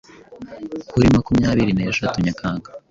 Kuri makumyabiri neshatu Nyakanga